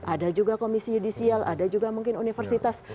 ada juga komisi yudisial ada juga mungkin universitas